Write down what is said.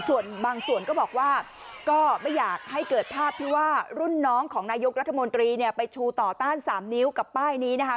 ส่วนบางส่วนก็บอกว่าก็ไม่อยากให้เกิดภาพที่ว่ารุ่นน้องของนายกรัฐมนตรีเนี่ยไปชูต่อต้าน๓นิ้วกับป้ายนี้นะคะ